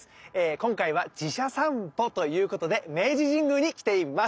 今回は寺社さんぽということで明治神宮に来ています。